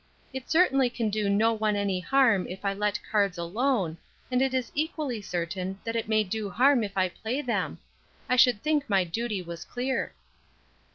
It certainly can do no one any harm if I let cards alone, and it is equally certain that it may do harm if I play them. I should think my duty was clear."